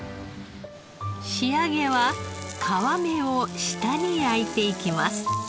仕上げは皮目を下に焼いていきます。